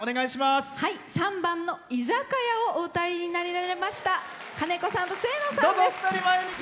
３番の「居酒屋」をお歌いになられましたかねこさんとすえのさんです。